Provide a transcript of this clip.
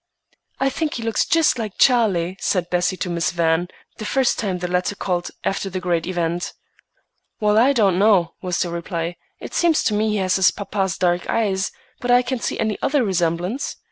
"I think he looks just like Charlie," said Bessie to Miss Van, the first time the latter called after the great event. "Well, I don't know," was the reply. "It seems to me he has his papa's dark eyes, but I can't see any other resemblance."